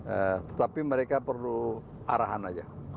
eh tetapi mereka perlu arahan aja